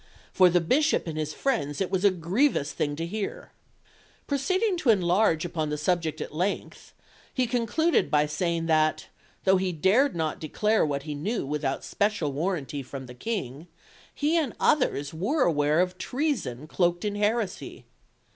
For the Bishop and his friends it was a grievous thing to hear. Proceeding to enlarge upon the subject at length, he concluded by saying that, though he dared not declare what he knew without special warranty from the King, he and others were aware of treason cloaked in heresy.